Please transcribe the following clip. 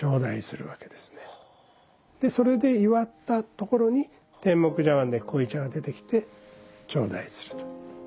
でそれで祝ったところに天目茶碗で濃茶が出てきて頂戴すると。